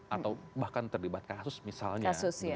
atau bahkan terlibat kasus misalnya